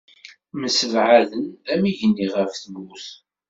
Msebɛaden am yigenni ɣef tmurt.